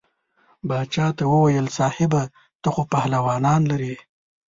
باچا ته وویل صاحبه ته خو پهلوانان لرې.